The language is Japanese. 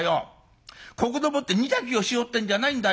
ここでもって煮炊きをしようってんじゃないんだよ。